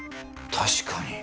確かに。